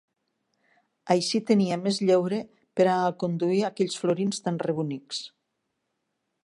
Així tenia més lleure per a aconduir aquells florins tan rebonics